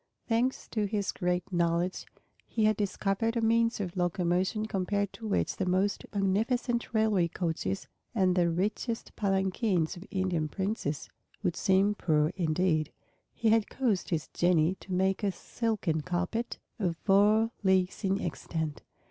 Thanks to his great knowledge, he had discovered a means of locomotion compared to which the most magnificent railway coaches and the richest palanquins of Indian princes would seem poor indeed. He had caused his Genii to make a silken carpet of four leagues in extent.